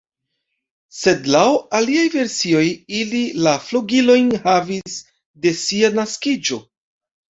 Sed laŭ aliaj versioj ili la flugilojn havis de sia naskiĝo.